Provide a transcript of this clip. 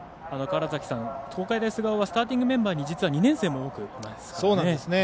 東海大菅生はスターティングメンバーに実は２年生も多くいますからね。